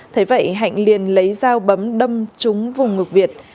thế vậy hạnh liền lấy dao bấm đâm trúng vùng ngực việt